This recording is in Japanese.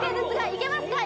いけますか？